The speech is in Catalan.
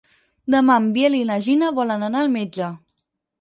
Demà en Biel i na Gina volen anar al metge.